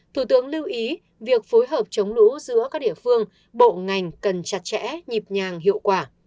thủ tướng lưu ý việc phối hợp chống lũ giữa các địa phương bộ ngành cần chặt chẽ nhịp nhàng hiệu quả